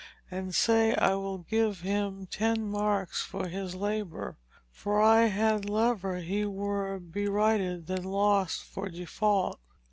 And say I wyll give hym X marks for hys labor, for I had lever he were beryed than lost for defaute."